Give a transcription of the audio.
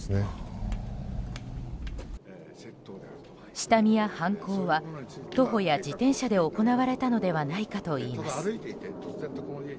下見や犯行は徒歩や自転車で行われたのではないかといいます。